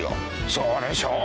そうでしょう？